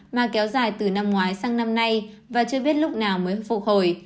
mà kéo dài từ năm ngoái sang năm nay và chưa biết lúc nào mới phục hồi